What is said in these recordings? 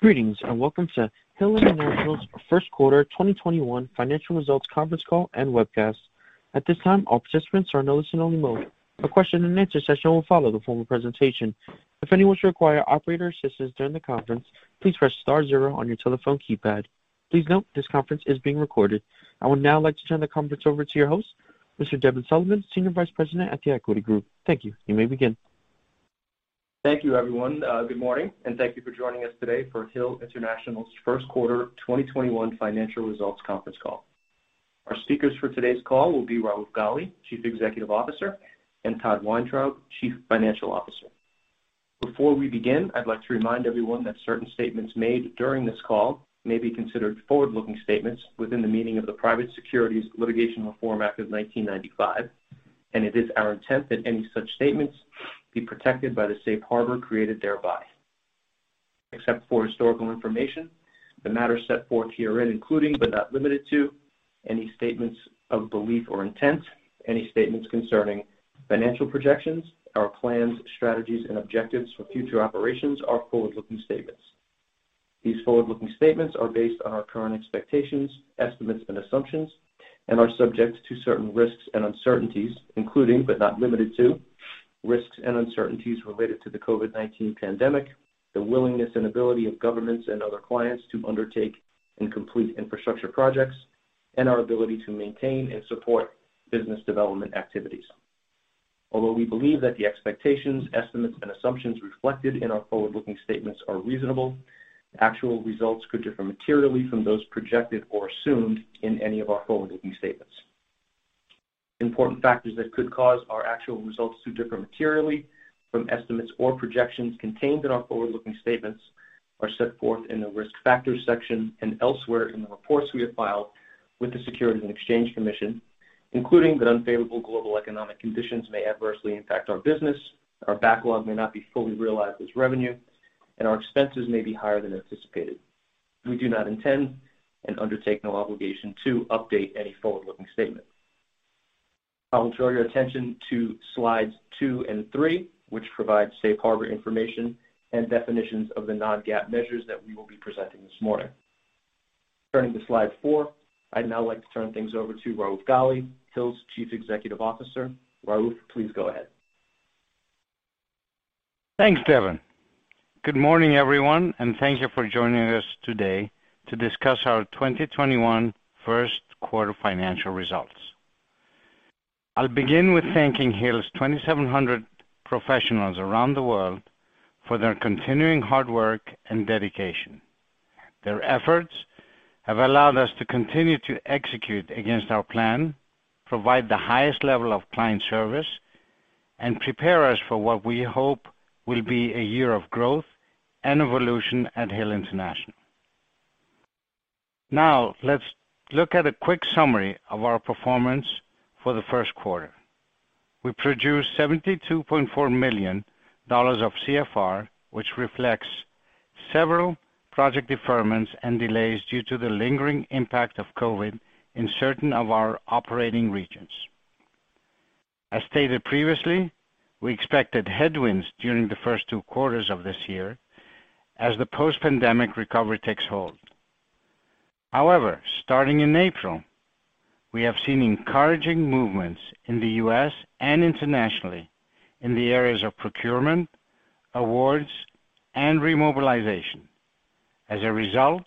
Greetings, welcome to Hill International's first quarter 2021 financial results conference call and webcast. At this time, all participants are in listen only mode. A Q&A session will follow the formal presentation. If anyone should require operator assistance during the conference, please press star zero on your telephone keypad. Please note this conference is being recorded. I would now like to turn the conference over to your host, Mr. Devin Sullivan, Senior Vice President at The Equity Group. Thank you. You may begin. Thank you, everyone. Good morning, and thank you for joining us today for Hill International's first quarter 2021 financial results conference call. Our speakers for today's call will be Raouf Ghali, Chief Executive Officer, and Todd Weintraub, Chief Financial Officer. Before we begin, I'd like to remind everyone that certain statements made during this call may be considered forward-looking statements within the meaning of the Private Securities Litigation Reform Act of 1995, and it is our intent that any such statements be protected by the safe harbor created thereby. Except for historical information, the matter set forth herein, including but not limited to, any statements of belief or intent, any statements concerning financial projections, our plans, strategies, and objectives for future operations are forward-looking statements. These forward-looking statements are based on our current expectations, estimates, and assumptions, and are subject to certain risks and uncertainties, including, but not limited to, risks and uncertainties related to the COVID-19 pandemic, the willingness and ability of governments and other clients to undertake and complete infrastructure projects, and our ability to maintain and support business development activities. Although we believe that the expectations, estimates, and assumptions reflected in our forward-looking statements are reasonable, actual results could differ materially from those projected or assumed in any of our forward-looking statements. Important factors that could cause our actual results to differ materially from estimates or projections contained in our forward-looking statements are set forth in the Risk Factors section and elsewhere in the reports we have filed with the Securities and Exchange Commission, including that unfavorable global economic conditions may adversely impact our business, our backlog may not be fully realized as revenue, and our expenses may be higher than anticipated. We do not intend and undertake no obligation to update any forward-looking statements. I will draw your attention to slides two and three, which provide safe harbor information and definitions of the non-GAAP measures that we will be presenting this morning. Turning to slide four, I'd now like to turn things over to Raouf Ghali, Hill International's Chief Executive Officer. Raouf, please go ahead. Thanks, Devin. Good morning, everyone, and thank you for joining us today to discuss our 2021 first quarter financial results. I'll begin with thanking Hill's 2,700 professionals around the world for their continuing hard work and dedication. Their efforts have allowed us to continue to execute against our plan, provide the highest level of client service, and prepare us for what we hope will be a year of growth and evolution at Hill International. Now, let's look at a quick summary of our performance for the first quarter. We produced $72.4 million of CFR, which reflects several project deferments and delays due to the lingering impact of COVID in certain of our operating regions. As stated previously, we expected headwinds during the first two quarters of this year as the post-pandemic recovery takes hold. Starting in April, we have seen encouraging movements in the U.S. and internationally in the areas of procurement, awards, and remobilization. As a result,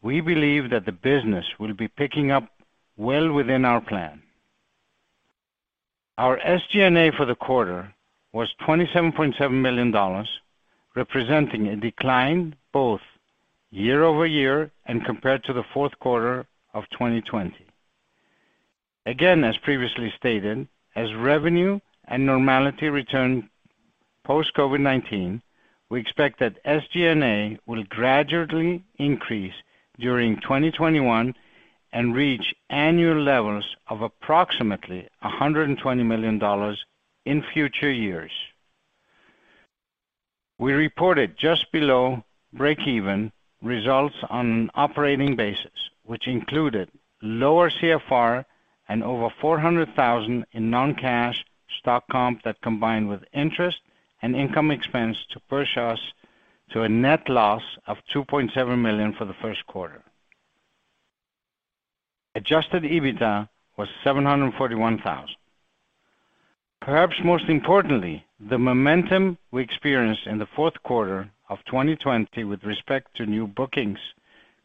we believe that the business will be picking up well within our plan. Our SG&A for the quarter was $27.7 million, representing a decline both year-over-year and compared to the fourth quarter of 2020. As previously stated, as revenue and normality return post COVID-19, we expect that SG&A will gradually increase during 2021 and reach annual levels of approximately $120 million in future years. We reported just below break-even results on an operating basis, which included lower CFR and over $400,000 in non-cash stock comp that combined with interest and income expense to push us to a net loss of $2.7 million for the first quarter. Adjusted EBITDA was $741,000. Perhaps most importantly, the momentum we experienced in the fourth quarter of 2020 with respect to new bookings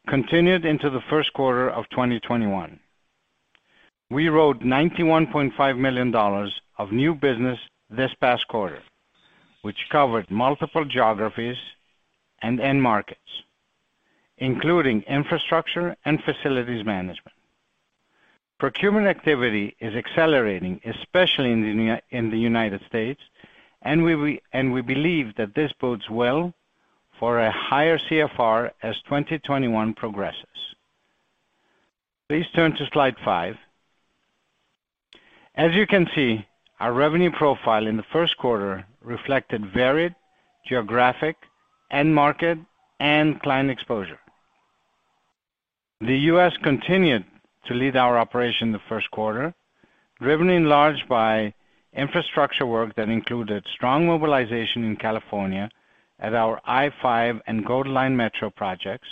continued into the first quarter of 2021. We wrote $91.5 million of new business this past quarter, which covered multiple geographies and end markets, including infrastructure and facilities management. Procurement activity is accelerating, especially in the United States. We believe that this bodes well for a higher CFR as 2021 progresses. Please turn to slide five. As you can see, our revenue profile in the first quarter reflected varied geographic, end market, and client exposure. The U.S. continued to lead our operation in the first quarter, driven in large by infrastructure work that included strong mobilization in California at our I-5 and Gold Line Metro projects,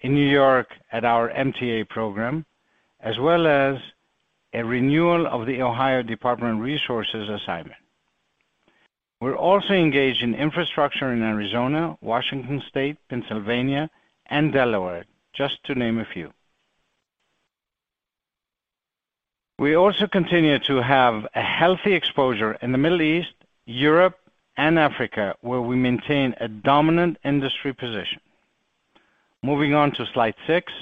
in New York at our MTA program, as well as a renewal of the Ohio Department of Natural Resources assignment. We're also engaged in infrastructure in Arizona, Washington State, Pennsylvania, and Delaware, just to name a few. We also continue to have a healthy exposure in the Middle East, Europe, and Africa, where we maintain a dominant industry position. Moving on to slide six.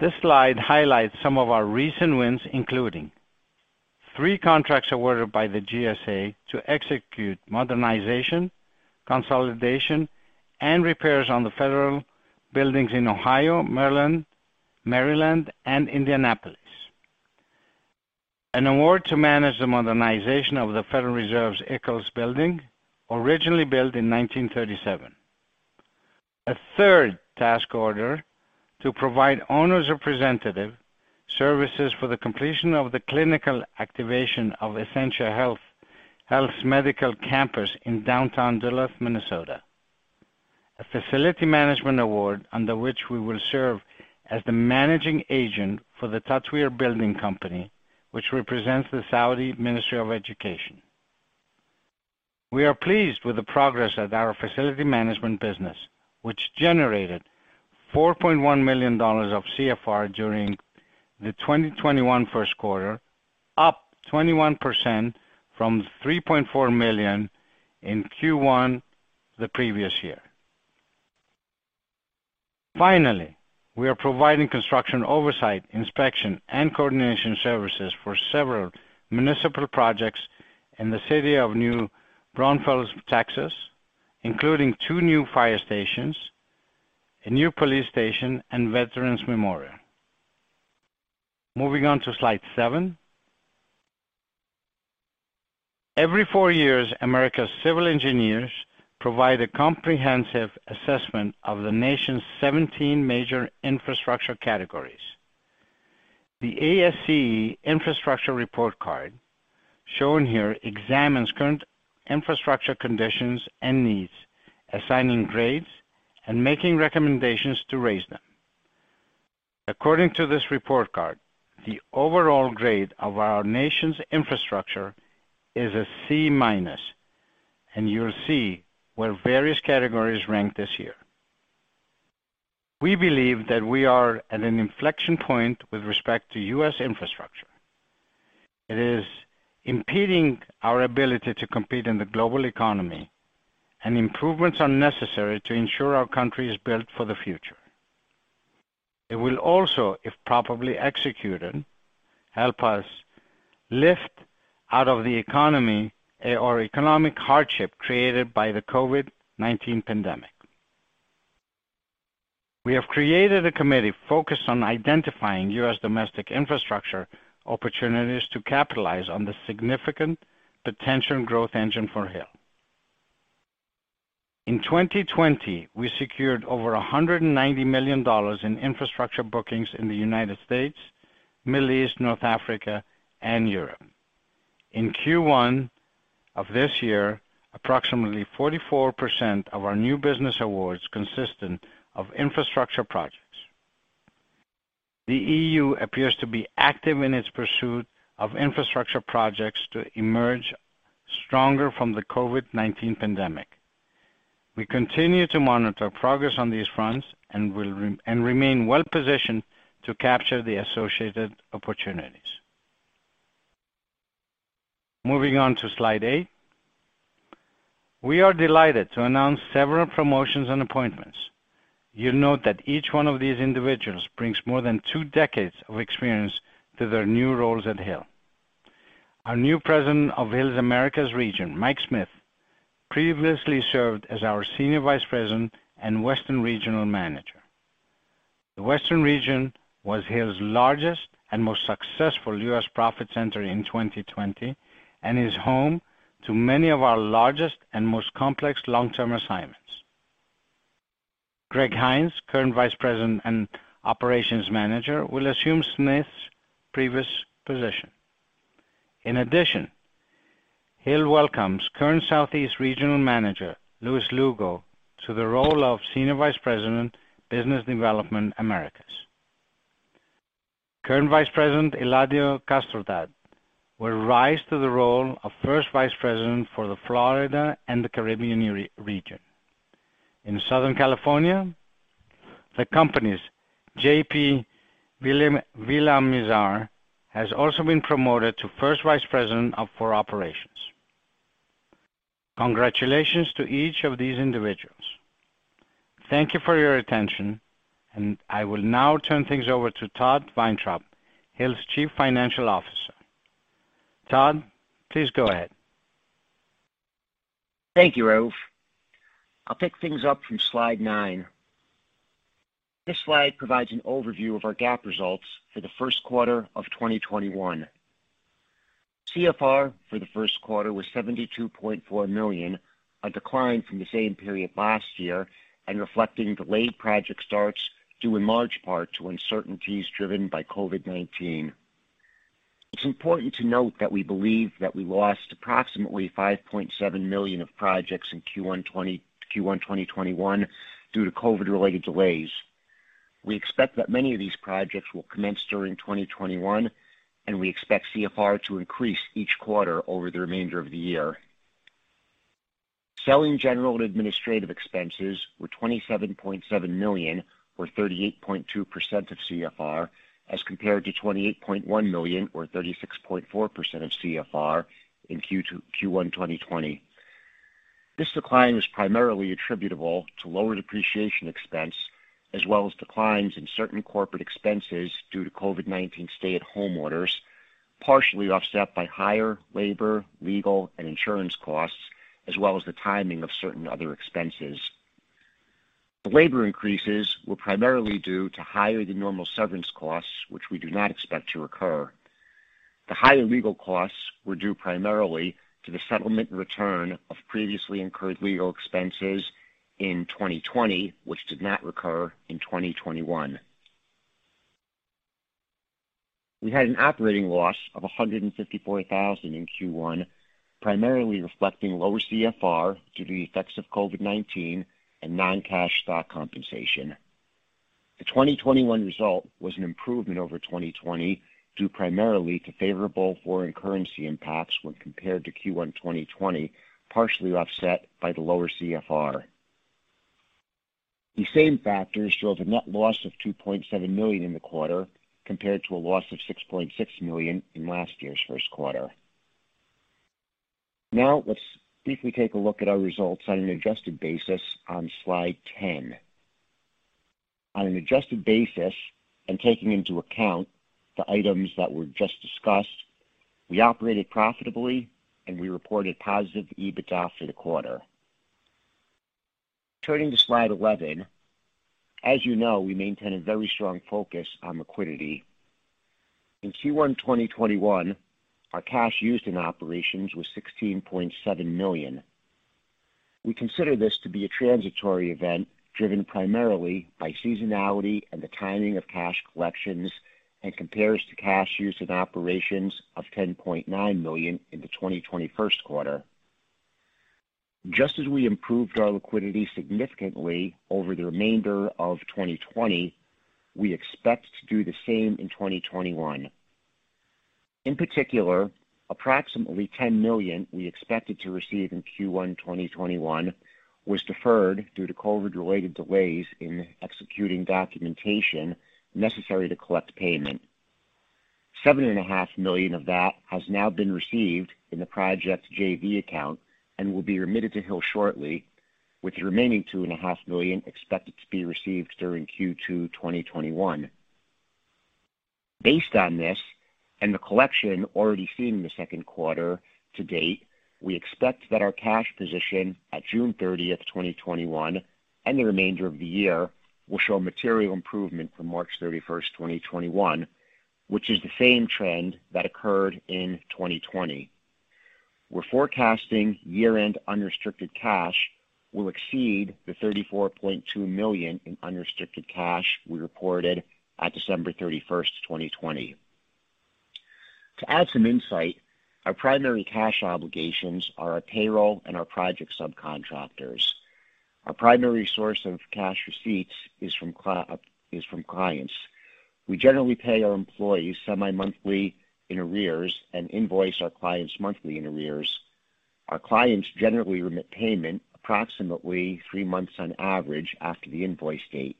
This slide highlights some of our recent wins, including three contracts awarded by the GSA to execute modernization, consolidation, and repairs on the federal buildings in Ohio, Maryland, and Indianapolis. An award to manage the modernization of the Federal Reserve's Eccles Building, originally built in 1937. A third task order to provide owner's representative services for the completion of the clinical activation of Essentia Health's medical campus in downtown Duluth, Minnesota. A facility management award under which we will serve as the managing agent for the Tatweer Buildings Company, which represents the Saudi Ministry of Education. We are pleased with the progress at our facility management business, which generated $4.1 million of CFR during the 2021 first quarter, up 21% from $3.4 million in Q1 the previous year. We are providing construction oversight, inspection, and coordination services for several municipal projects in the city of New Braunfels, Texas, including two new fire stations, a new police station, and Veterans Memorial. Moving on to slide seven. Every four years, America's civil engineers provide a comprehensive assessment of the nation's 17 major infrastructure categories. The ASCE Infrastructure Report Card, shown here, examines current infrastructure conditions and needs, assigning grades and making recommendations to raise them. According to this report card, the overall grade of our nation's infrastructure is a C-, you'll see where various categories rank this year. We believe that we are at an inflection point with respect to U.S. infrastructure. It is impeding our ability to compete in the global economy, and improvements are necessary to ensure our country is built for the future. It will also, if properly executed, help us lift out of the economy or economic hardship created by the COVID-19 pandemic. We have created a committee focused on identifying U.S. domestic infrastructure opportunities to capitalize on the significant potential growth engine for Hill. In 2020, we secured over $190 million in infrastructure bookings in the United States, Middle East, North Africa, and Europe. In Q1 of this year, approximately 44% of our new business awards consisted of infrastructure projects. The EU appears to be active in its pursuit of infrastructure projects to emerge stronger from the COVID-19 pandemic. We continue to monitor progress on these fronts and remain well-positioned to capture the associated opportunities. Moving on to slide eight. We are delighted to announce several promotions and appointments. You'll note that each one of these individuals brings more than two decades of experience to their new roles at Hill. Our new President of Hill's Americas region, Mike Smith, previously served as our Senior Vice President and Western Regional Manager. The Western region was Hill's largest and most successful U.S. profit center in 2020 and is home to many of our largest and most complex long-term assignments. Gregory Heinz, current Vice President and Operations Manager, will assume Smith's previous position. In addition, Hill welcomes current Southeast Regional Manager, Luis Lugo, to the role of Senior Vice President, Business Development, Americas. Current Vice President, Eladio Castrodad, will rise to the role of First Vice President for the Florida and the Caribbean Region. In Southern California, the company's J.P. Villamizar has also been promoted to First Vice President for Operations. Congratulations to each of these individuals. Thank you for your attention, and I will now turn things over to Todd Weintraub, Hill's Chief Financial Officer. Todd, please go ahead. Thank you, Raouf. I'll pick things up from slide nine. This slide provides an overview of our GAAP results for the first quarter of 2021. CFR for the first quarter was $72.4 million, a decline from the same period last year and reflecting delayed project starts due in large part to uncertainties driven by COVID-19. It's important to note that we believe that we lost approximately $5.7 million of projects in Q1 2021 due to COVID-related delays. We expect that many of these projects will commence during 2021, and we expect CFR to increase each quarter over the remainder of the year. Selling, general, and administrative expenses were $27.7 million, or 38.2% of CFR, as compared to $28.1 million or 36.4% of CFR in Q1 2020. This decline was primarily attributable to lower depreciation expense, as well as declines in certain corporate expenses due to COVID-19 stay-at-home orders, partially offset by higher labor, legal, and insurance costs, as well as the timing of certain other expenses. The labor increases were primarily due to higher-than-normal severance costs, which we do not expect to recur. The higher legal costs were due primarily to the settlement and return of previously incurred legal expenses in 2020, which did not recur in 2021. We had an operating loss of $154,000 in Q1, primarily reflecting lower CFR due to the effects of COVID-19 and non-cash stock compensation. The 2021 result was an improvement over 2020, due primarily to favorable foreign currency impacts when compared to Q1 2020, partially offset by the lower CFR. These same factors drove a net loss of $2.7 million in the quarter, compared to a loss of $6.6 million in last year's first quarter. Now let's briefly take a look at our results on an adjusted basis on slide 10. On an adjusted basis, and taking into account the items that were just discussed, we operated profitably, and we reported positive EBITDA for the quarter. Turning to slide 11, as you know, we maintain a very strong focus on liquidity. In Q1 2021, our cash used in operations was $16.7 million. We consider this to be a transitory event, driven primarily by seasonality and the timing of cash collections, and compares to cash used in operations of $10.9 million in the 2020 first quarter. Just as we improved our liquidity significantly over the remainder of 2020, we expect to do the same in 2021. In particular, approximately $10 million we expected to receive in Q1 2021 was deferred due to COVID-related delays in executing documentation necessary to collect payment. Seven and a half million of that has now been received in the project JV account and will be remitted to Hill shortly, with the remaining two and a half million expected to be received during Q2 2021. Based on this and the collection already seen in the second quarter to date, we expect that our cash position at June 30th, 2021, and the remainder of the year will show a material improvement from March 31st, 2021, which is the same trend that occurred in 2020. We're forecasting year-end unrestricted cash will exceed the $34.2 million in unrestricted cash we reported at December 31st, 2020. To add some insight, our primary cash obligations are our payroll and our project subcontractors. Our primary source of cash receipts is from clients. We generally pay our employees semi-monthly in arrears and invoice our clients monthly in arrears. Our clients generally remit payment approximately three months on average after the invoice date.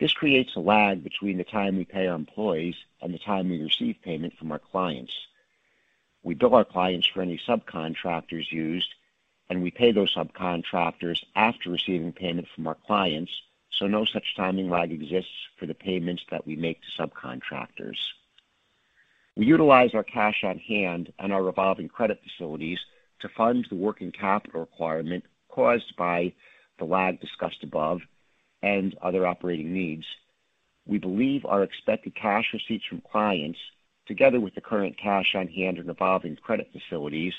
This creates a lag between the time we pay our employees and the time we receive payment from our clients. We bill our clients for any subcontractors used, and we pay those subcontractors after receiving payment from our clients, so no such timing lag exists for the payments that we make to subcontractors. We utilize our cash on hand and our revolving credit facilities to fund the working capital requirement caused by the lag discussed above and other operating needs. We believe our expected cash receipts from clients, together with the current cash on hand and revolving credit facilities,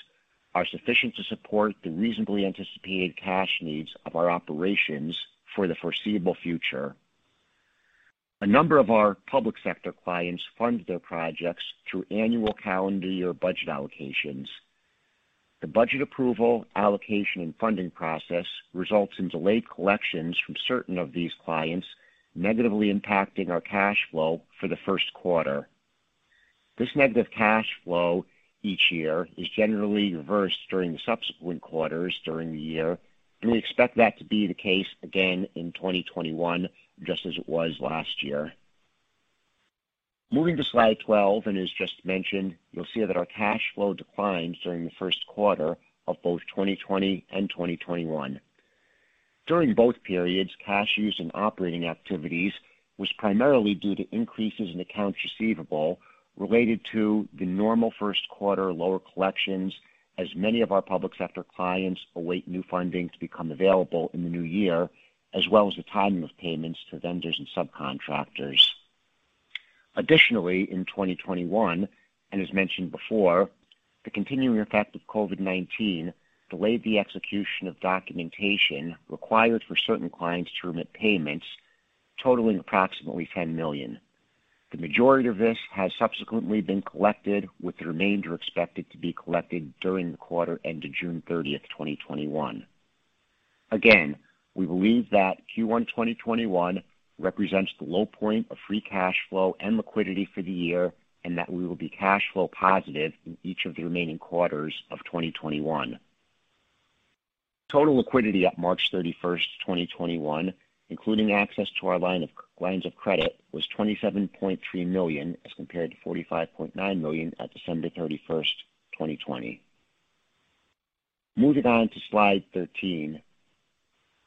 are sufficient to support the reasonably anticipated cash needs of our operations for the foreseeable future. A number of our public sector clients fund their projects through annual calendar year budget allocations. The budget approval, allocation, and funding process results in delayed collections from certain of these clients, negatively impacting our cash flow for the first quarter. This negative cash flow each year is generally reversed during the subsequent quarters during the year, and we expect that to be the case again in 2021, just as it was last year. Moving to slide 12, and as just mentioned, you'll see that our cash flow declined during the first quarter of both 2020 and 2021. During both periods, cash used in operating activities was primarily due to increases in accounts receivable related to the normal first quarter lower collections, as many of our public sector clients await new funding to become available in the new year, as well as the timing of payments to vendors and subcontractors. In 2021, as mentioned before, the continuing effect of COVID-19 delayed the execution of documentation required for certain clients to remit payments totaling approximately $10 million. The majority of this has subsequently been collected, with the remainder expected to be collected during the quarter ending June 30, 2021. We believe that Q1 2021 represents the low point of free cash flow and liquidity for the year, and that we will be cash flow positive in each of the remaining quarters of 2021. Total liquidity at March 31st, 2021, including access to our lines of credit, was $27.3 million as compared to $45.9 million at December 31st, 2020. Moving on to slide 13.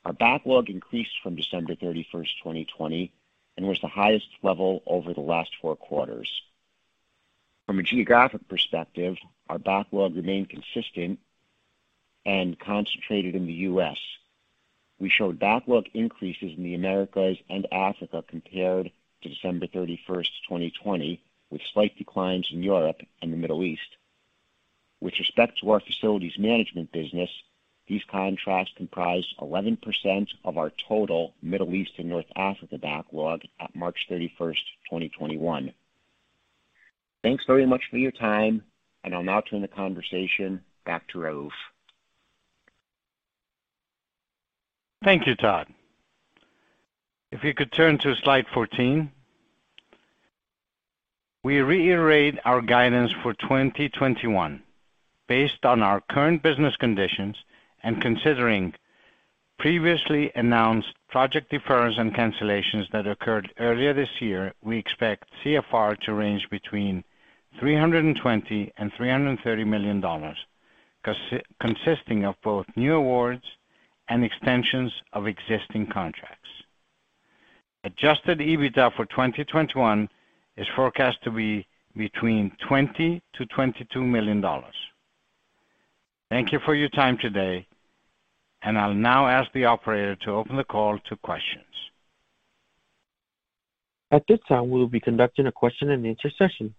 Our backlog increased from December 31st, 2020 and was the highest level over the last four quarters. From a geographic perspective, our backlog remained consistent and concentrated in the U.S. We showed backlog increases in the Americas and Africa compared to December 31st, 2020, with slight declines in Europe and the Middle East. With respect to our facilities management business, these contracts comprised 11% of our total Middle East and North Africa backlog at March 31st, 2021. Thanks very much for your time, I'll now turn the conversation back to Raouf. Thank you, Todd. If you could turn to slide 14. We reiterate our guidance for 2021 based on our current business conditions and considering previously announced project deferrals and cancellations that occurred earlier this year, we expect CFR to range between $320 million-$330 million, consisting of both new awards and extensions of existing contracts. Adjusted EBITDA for 2021 is forecast to be between $20 million-$22 million. Thank you for your time today. I'll now ask the operator to open the call to questions. At this time, we will be conducting a Q&A session.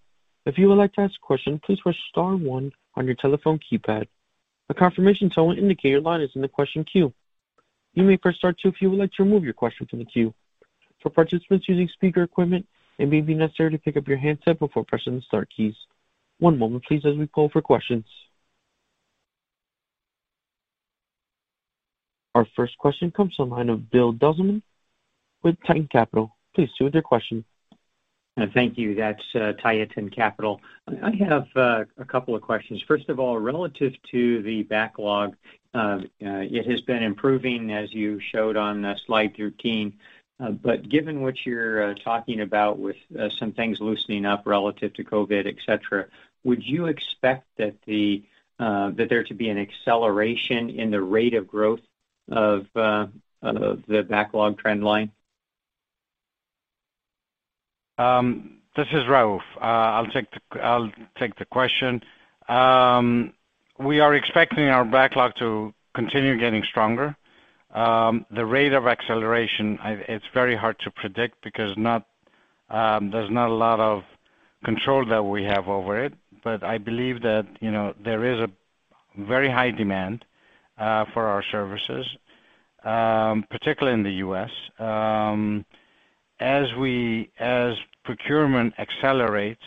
If you would like to ask a question, please press star one on your telephone keypad. A confirmation tone will indicate your line is in the question queue. You may press star two if you would like to remove your question from the queue. For participants using speaker equipment, it may be necessary to pick up your handset before pressing the star keys. One moment, please, as we call for questions. Our first question comes from the line of Bill DeZellum with Tieton Capital. Please proceed with your question. Thank you. That's Tieton Capital. I have a couple of questions. First of all, relative to the backlog, it has been improving as you showed on slide 13. Given what you're talking about with some things loosening up relative to COVID-19, et cetera, would you expect that there to be an acceleration in the rate of growth of the backlog trend line? This is Raouf. I'll take the question. We are expecting our backlog to continue getting stronger. The rate of acceleration, it's very hard to predict because there's not a lot of control that we have over it. I believe that there is a very high demand for our services, particularly in the U.S. As procurement accelerates,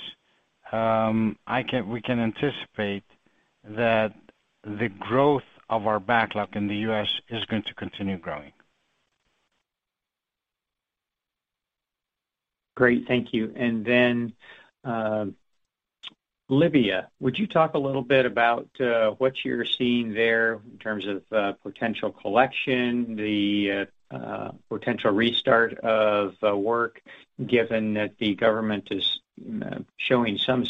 we can anticipate that the growth of our backlog in the U.S. is going to continue growing. Great. Thank you. Libya, would you talk a little bit about what you're seeing there in terms of potential collection, the potential restart of work, given that the government is showing some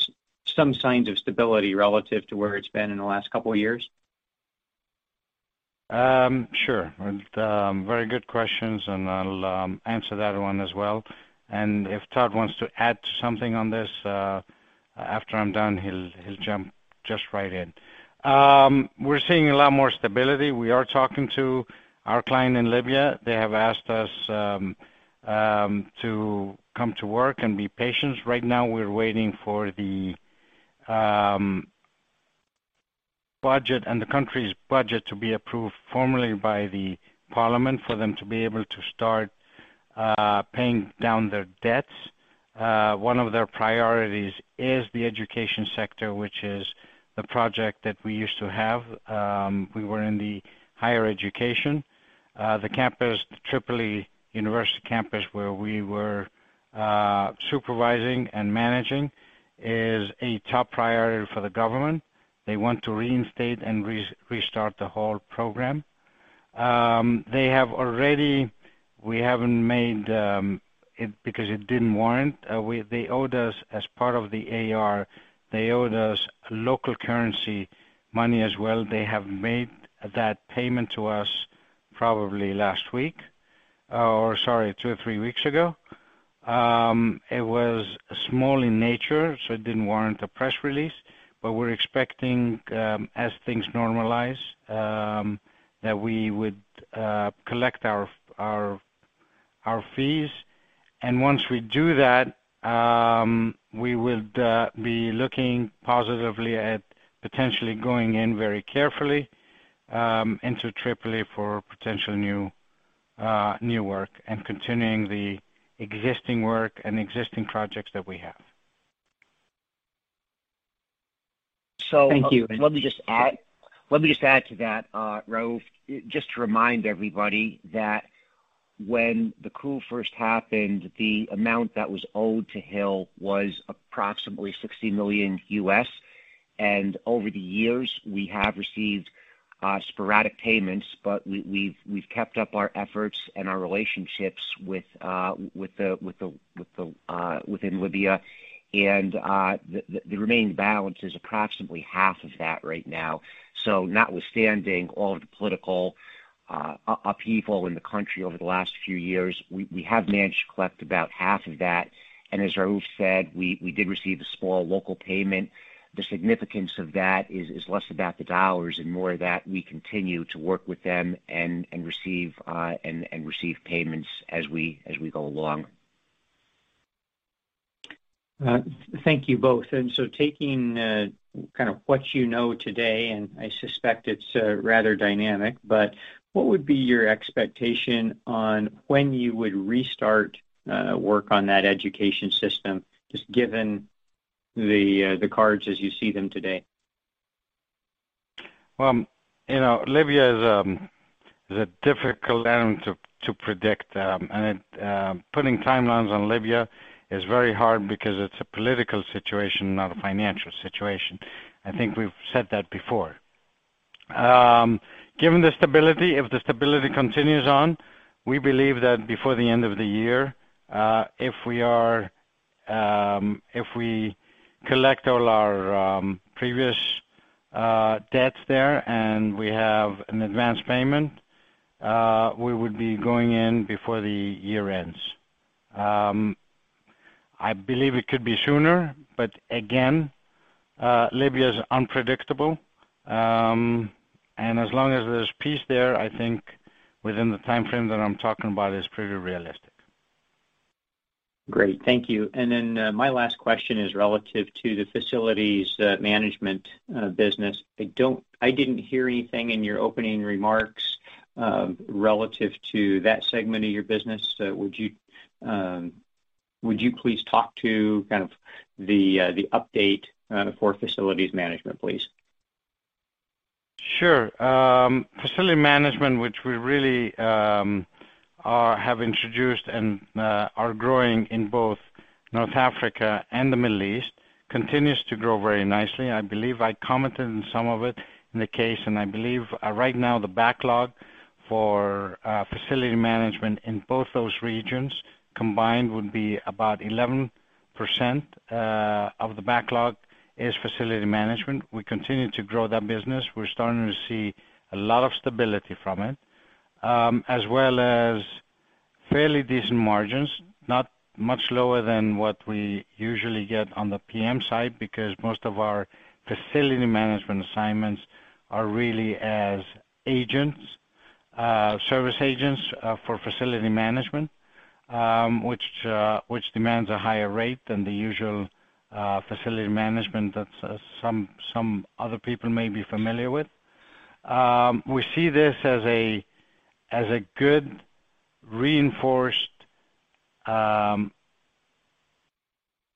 signs of stability relative to where it's been in the last couple of years? Sure. Very good questions, and I'll answer that one as well. If Todd wants to add something on this, after I'm done, he'll jump just right in. We're seeing a lot more stability. We are talking to our client in Libya. They have asked us to come to work and be patient. Right now, we're waiting for the country's budget to be approved formally by the parliament for them to be able to start paying down their debts. One of their priorities is the education sector, which is the project that we used to have. We were in the higher education. The Tripoli University campus, where we were supervising and managing, is a top priority for the government. They want to reinstate and restart the whole program. We haven't made it because it didn't warrant. As part of the AR, they owed us local currency money as well. They have made that payment to us probably last week, or, sorry, two or three weeks ago. It was small in nature, so it didn't warrant a press release. We're expecting, as things normalize, that we would collect our fees. Once we do that, we would be looking positively at potentially going in very carefully into Tripoli for potential new work and continuing the existing work and existing projects that we have. Thank you. Let me just add to that, Raouf. Just to remind everybody that when the coup first happened, the amount that was owed to Hill International was approximately $60 million, and over the years we have received sporadic payments. We've kept up our efforts and our relationships within Libya. The remaining balance is approximately half of that right now. Notwithstanding all of the political upheaval in the country over the last few years, we have managed to collect about half of that. As Raouf said, we did receive a small local payment. The significance of that is less about the dollars and more that we continue to work with them and receive payments as we go along. Thank you both. Taking kind of what you know today, and I suspect it's rather dynamic, but what would be your expectation on when you would restart work on that education system, just given the cards as you see them today? Well, Libya is a difficult element to predict. Putting timelines on Libya is very hard because it's a political situation, not a financial situation. I think we've said that before. Given the stability, if the stability continues on, we believe that before the end of the year, if we collect all our previous debts there and we have an advance payment, we would be going in before the year ends. I believe it could be sooner, but again, Libya is unpredictable. As long as there's peace there, I think within the timeframe that I'm talking about is pretty realistic. Great. Thank you. My last question is relative to the facilities management business. I didn't hear anything in your opening remarks relative to that segment of your business. Would you please talk to kind of the update for facilities management, please? Sure. Facility management, which we really have introduced and are growing in both North Africa and the Middle East, continues to grow very nicely. I believe I commented on some of it in the case, and I believe right now the backlog for facility management in both those regions combined would be about 11% of the backlog is facility management. We continue to grow that business. We are starting to see a lot of stability from it, as well as fairly decent margins, not much lower than what we usually get on the PM side, because most of our facility management assignments are really as agents, service agents for facility management, which demands a higher rate than the usual facility management that some other people may be familiar with. We see this as a good reinforced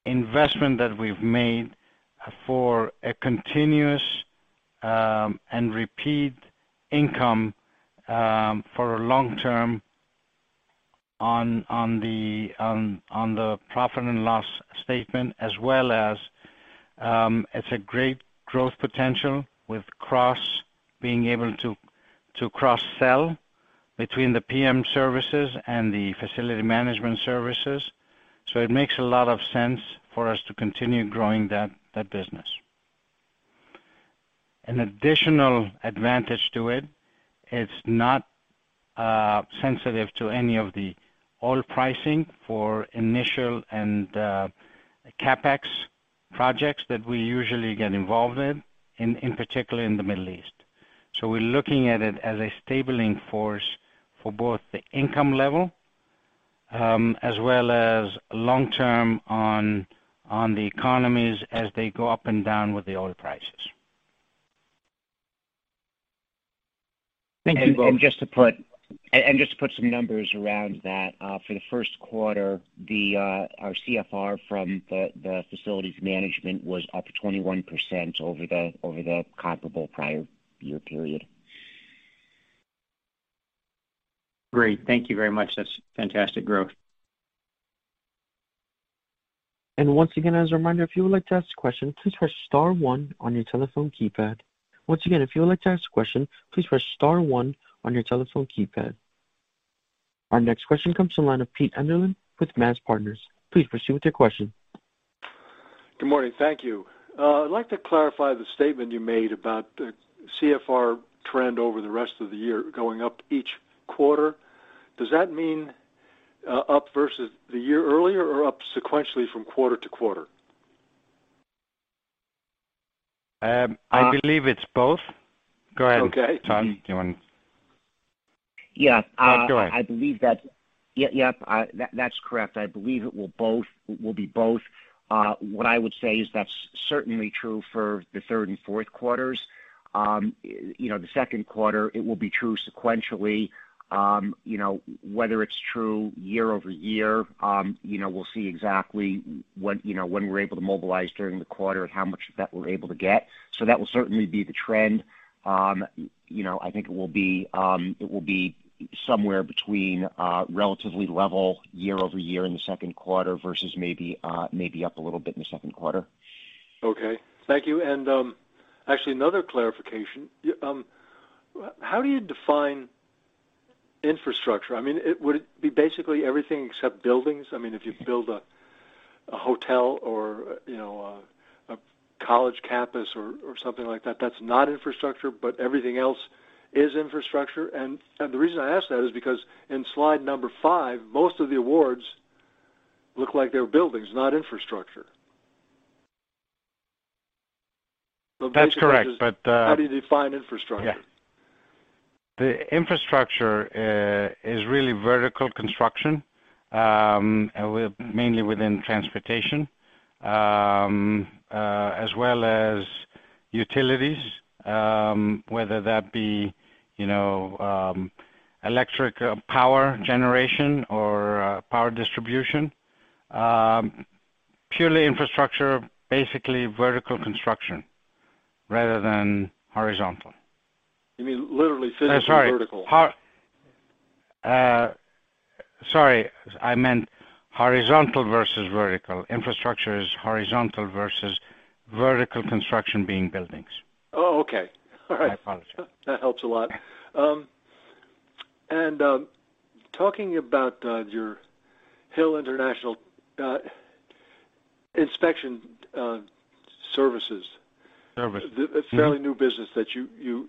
investment that we've made for a continuous and repeat income for a long term on the P&L statement, as well as it's a great growth potential with being able to cross-sell between the PM services and the facility management services. It makes a lot of sense for us to continue growing that business. An additional advantage to it's not sensitive to any of the oil pricing for initial and CapEx projects that we usually get involved in particular in the Middle East. We're looking at it as a stabilizing force for both the income level as well as long-term on the economies as they go up and down with the oil prices. Thank you both. Just to put some numbers around that, for the first quarter, our CFR from the facilities management was up 21% over the comparable prior year period. Great. Thank you very much. That's fantastic growth. Once again, as a reminder, if you would like to ask a question, please press star one on your telephone keypad. Once again, if you would like to ask a question, please press star one on your telephone keypad. Our next question comes from the line of Pete Enderlin with MAZ Partners. Please proceed with your question. Good morning. Thank you. I'd like to clarify the statement you made about the CFR trend over the rest of the year going up each quarter. Does that mean up versus the year earlier or up sequentially from quarter-to-quarter? I believe it's both. Go ahead. Okay. Todd, do you want? Yeah. Go ahead. That's correct. I believe it will be both. What I would say is that's certainly true for the third and fourth quarters. The second quarter, it will be true sequentially. Whether it's true year-over-year, we'll see exactly when we're able to mobilize during the quarter and how much of that we're able to get. That will certainly be the trend. I think it will be somewhere between relatively level year-over-year in the second quarter versus maybe up a little bit in the second quarter. Okay. Thank you. Actually another clarification. How do you define infrastructure? Would it be basically everything except buildings? If you build a hotel or a college campus or something like that's not infrastructure, but everything else is infrastructure? The reason I ask that is because in slide number five, most of the awards look like they're buildings, not infrastructure. That's correct. How do you define infrastructure? Yeah. The infrastructure is really vertical construction, mainly within transportation, as well as utilities, whether that be electric power generation or power distribution. Purely infrastructure, basically vertical construction rather than horizontal. You mean literally physical vertical. Sorry. I meant horizontal versus vertical. Infrastructure is horizontal versus vertical construction being buildings. Oh, okay. All right. My apologies. That helps a lot. Talking about your Hill International Inspection Services. Services. A fairly new business that you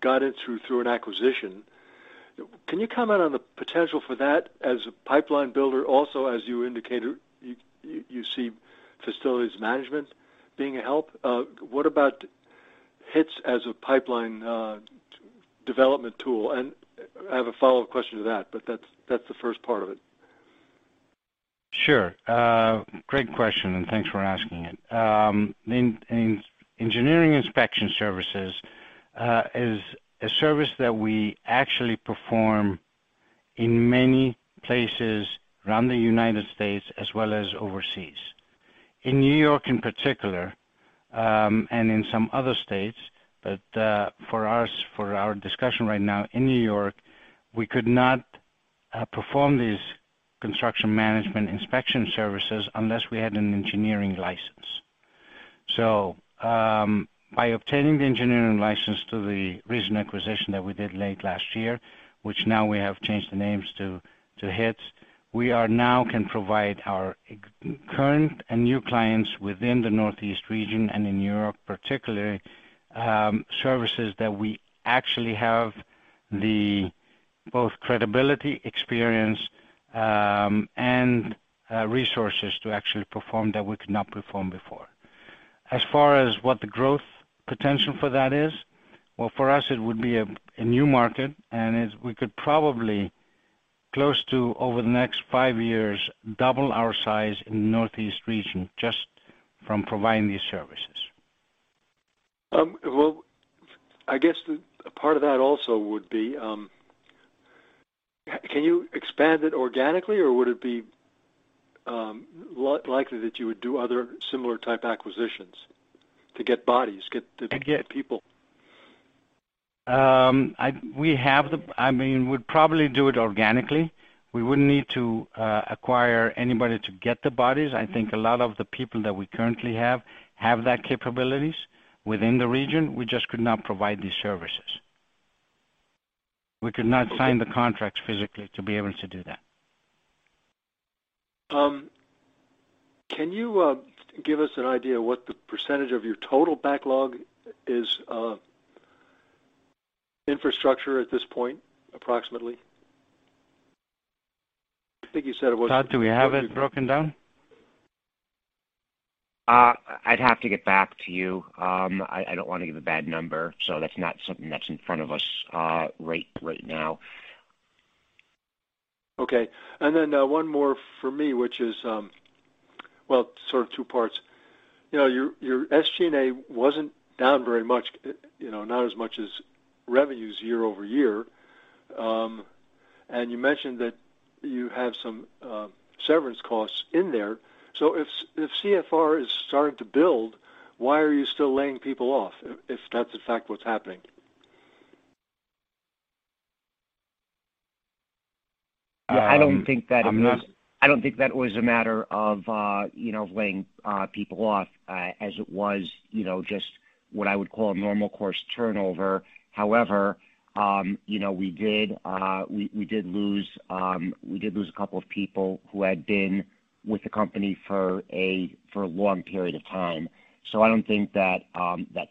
got into through an acquisition. Can you comment on the potential for that as a pipeline builder? As you indicated, you see facilities management being a help. What about HITS as a pipeline development tool? I have a follow-up question to that, but that's the first part of it. Sure. Great question, and thanks for asking it. In engineering inspection services, is a service that we actually perform in many places around the United States, as well as overseas. In New York, in particular, and in some other states, but for our discussion right now, in New York, we could not perform these construction management inspection services unless we had an engineering license. By obtaining the engineering license through the recent acquisition that we did late last year, which now we have changed the names to HITS, we now can provide our current and new clients within the Northeast region and in New York, particularly, services that we actually have both credibility, experience, and resources to actually perform that we could not perform before. As far as what the growth potential for that is, well, for us, it would be a new market, and we could probably close to, over the next five years, double our size in the Northeast region just from providing these services. Well, I guess a part of that also would be, can you expand it organically, or would it be likely that you would do other similar type acquisitions to get bodies, to get the people? We'd probably do it organically. We wouldn't need to acquire anybody to get the bodies. I think a lot of the people that we currently have that capabilities within the region. We just could not provide these services. We could not sign the contracts physically to be able to do that. Can you give us an idea what the percentage of your total backlog is infrastructure at this point, approximately? Todd, do we have it broken down? I'd have to get back to you. I don't want to give a bad number. That's not something that's in front of us right now. Okay. One more for me, which is sort of two parts. Your SG&A wasn't down very much, not as much as revenues year-over-year. You mentioned that you have some severance costs in there. If CFR is starting to build, why are you still laying people off, if that's in fact what's happening? I don't think that was a matter of laying people off as it was just what I would call a normal course turnover. We did lose a couple of people who had been with the company for a long period of time. I don't think that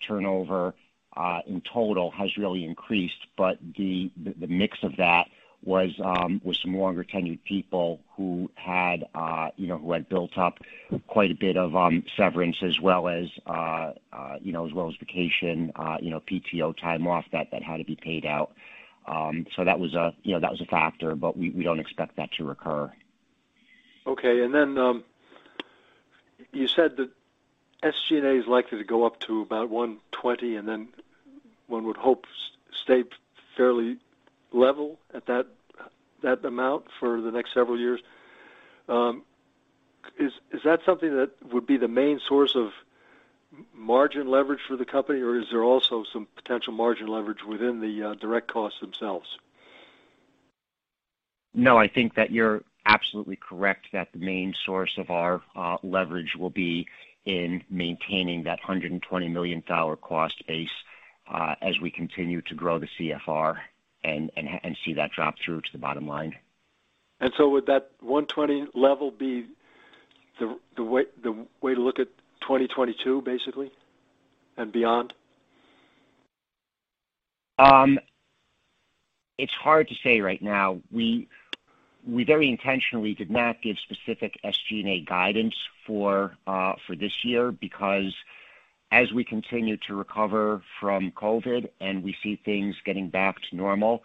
turnover in total has really increased. The mix of that was some longer-tenured people who had built up quite a bit of severance as well as vacation, PTO time off that had to be paid out. That was a factor, but we don't expect that to recur. Okay. You said that SG&A is likely to go up to about $120 million, and then one would hope stay fairly level at that amount for the next several years. Is that something that would be the main source of margin leverage for the company, or is there also some potential margin leverage within the direct costs themselves? No, I think that you're absolutely correct that the main source of our leverage will be in maintaining that $120 million cost base as we continue to grow the CFR and see that drop through to the bottom line. Would that $120 million level be the way to look at 2022, basically, and beyond? It's hard to say right now. We very intentionally did not give specific SG&A guidance for this year because as we continue to recover from COVID-19 and we see things getting back to normal,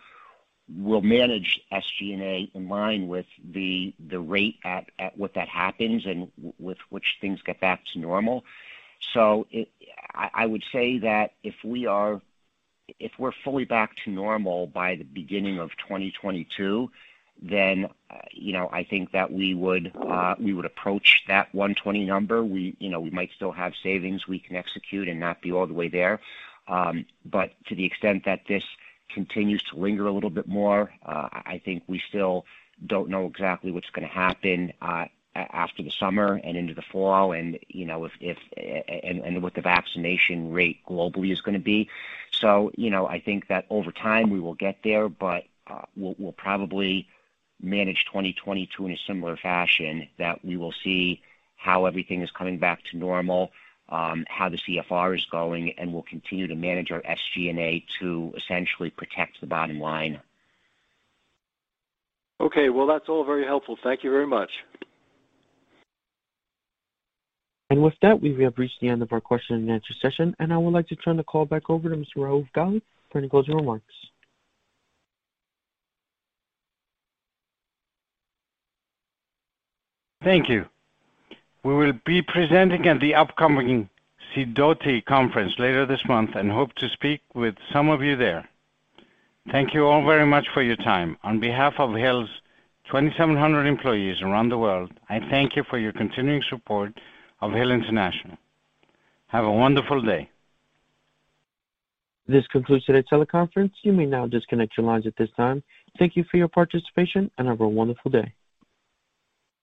we'll manage SG&A in line with the rate at what that happens and with which things get back to normal. I would say that if we're fully back to normal by the beginning of 2022, then I think that we would approach that $120 million number. We might still have savings we can execute and not be all the way there. To the extent that this continues to linger a little bit more, I think we still don't know exactly what's going to happen after the summer and into the fall and what the vaccination rate globally is going to be. I think that over time we will get there, but we'll probably manage 2022 in a similar fashion that we will see how everything is coming back to normal, how the CFR is going, and we'll continue to manage our SG&A to essentially protect the bottom line. Okay, well, that's all very helpful. Thank you very much. With that, we have reached the end of our question and answer session, and I would like to turn the call back over to Mr. Raouf Ghali for any closing remarks. Thank you. We will be presenting at the upcoming Sidoti conference later this month and hope to speak with some of you there. Thank you all very much for your time. On behalf of Hill's 2,700 employees around the world, I thank you for your continuing support of Hill International. Have a wonderful day. This concludes today's teleconference. You may now disconnect your lines at this time. Thank you for your participation, and have a wonderful day.